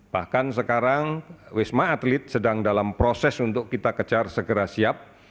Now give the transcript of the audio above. bahkan sekarang wisma atlet sedang dalam proses untuk kita kejar segera siap